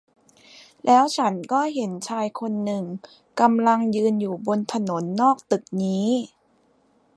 แล้วฉันก็เห็นชายคนหนึ่งกำลังยืนอยู่บนถนนนอกตึกนี้